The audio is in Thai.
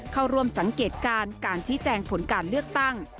เข้าร่วมสังเกตการณ์การชี้แจงผลการเลือกตั้ง